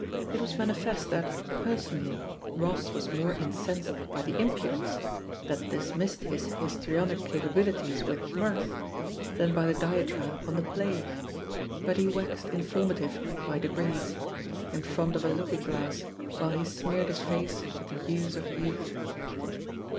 It yras manifest that, personally, Ross was more incensed by the impudence that dismissed his his trionic capabilities with mirth than by the diatribe upon the play; but he waxed informative by de grees — ^in front of a looking glass, while he smeared his face with the hues of youth.